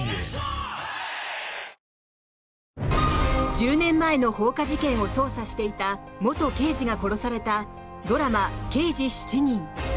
１０年前の放火事件を捜査していた元刑事が殺されたドラマ「刑事７人」。